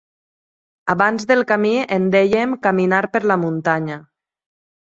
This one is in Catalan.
Abans del camí en dèiem caminar per la muntanya.